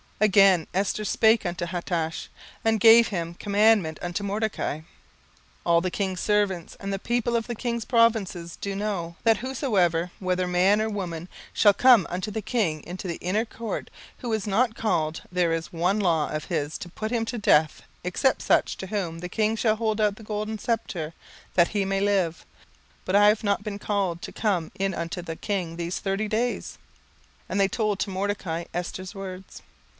17:004:010 Again Esther spake unto Hatach, and gave him commandment unto Mordecai; 17:004:011 All the king's servants, and the people of the king's provinces, do know, that whosoever, whether man or women, shall come unto the king into the inner court, who is not called, there is one law of his to put him to death, except such to whom the king shall hold out the golden sceptre, that he may live: but I have not been called to come in unto the king these thirty days. 17:004:012 And they told to Mordecai Esther's words.